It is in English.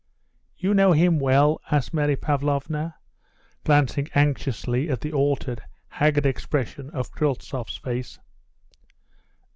"You knew him well?" asked Mary Pavlovna, glancing anxiously at the altered, haggard expression of Kryltzoff's face.